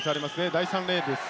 第３レーンです。